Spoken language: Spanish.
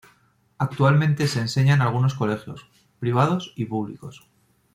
Actualmente se enseña en algunos colegios, privados y públicos.